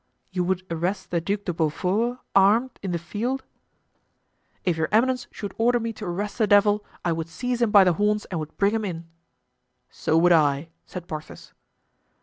"You would arrest the Duc de Beaufort, armed, in the field?" "If your eminence should order me to arrest the devil, I would seize him by the horns and would bring him in." "So would I," said Porthos.